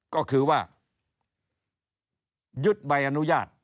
ก็คือว่ายึดใบอนุญาต